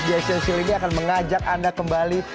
lagu malif jaisil suleknya akan mengajak anda kembali